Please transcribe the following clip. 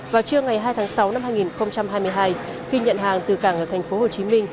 vào trưa ngày hai tháng sáu năm hai nghìn hai mươi hai khi nhận hàng từ cảng ở tp hcm